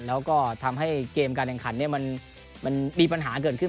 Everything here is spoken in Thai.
แล้วก็ทำให้เกมการแข่งขันมันมีปัญหาเกิดขึ้น